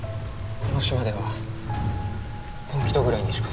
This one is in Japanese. この島では本鬼頭ぐらいにしか。